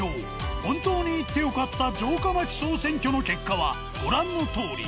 本当に行って良かった城下町総選挙の結果はご覧のとおり。